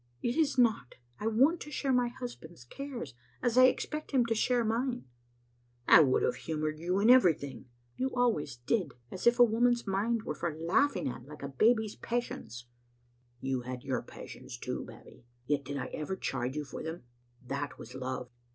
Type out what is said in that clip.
"" It is not. I want to share my husband's cares, as I expect him to share mine." " I would have humored you in everything." "You always did: as if a woman's mind were for laughing at, like a baby's passions." Digitized by VjOOQ IC IRtntoul and JSabbie* 341 " You had your passions, too, Babbie. Yet did I ever chide you for them? That was love."